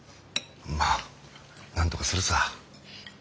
まあなんとかするさ。